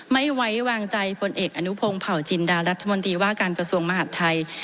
ไม่ไว้วางใจพลเอกอนุพงศ์เผาจินดารัฐมนตรีว่าการกระทรวงมหาดไทย